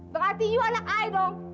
berarti you anak ayo dong